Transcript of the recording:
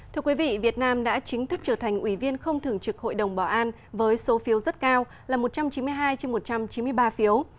thưa quý vị việt nam đã chính thức trở thành ủy viên không thường trực hội đồng bảo an với số phiếu rất cao là một trăm chín mươi hai trên một trăm chín mươi ba phiếu